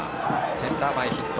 センター前ヒット。